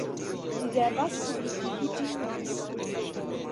Ni devas publikigi ĝin nun.